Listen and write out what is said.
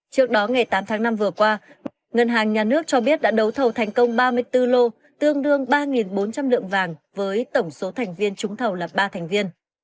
trước đó ngày tám tháng năm vừa qua ngân hàng nhà nước cho biết đã đấu thầu thành công ba mươi bốn lô tương đương ba bốn trăm linh lượng vàng với tổng số thành viên trúng thầu là ba thành viên